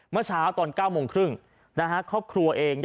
เมื่อเช้าตอน๙โมงครึ่งครอบครัวเอง